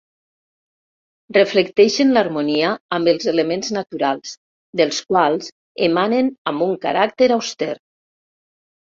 Reflecteixen l'harmonia amb els elements naturals, dels quals emanen amb un caràcter auster.